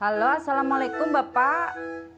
halo assalamualaikum bapak